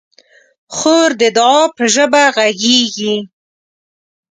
خور د دعا په ژبه غږېږي.